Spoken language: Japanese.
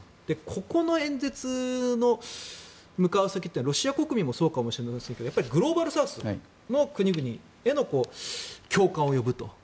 ここの演説の向かう先というのはロシア国民もそうかもしれませんがグローバルサウスの国々への共感を呼ぶと。